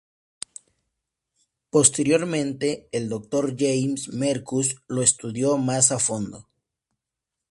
Posteriormente el Dr. James Marcus lo estudió más a fondo.